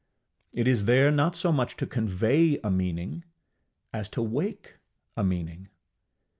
It is there not so much to convey a meaning as to wake a meaning.